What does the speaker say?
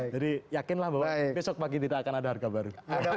jadi yakinlah bahwa besok pagi tidak akan ada harga baru